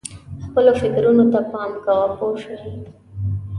خپلو فکرونو ته پام کوه پوه شوې!.